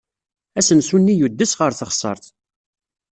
Asensu-nni yudes ɣer teɣsert.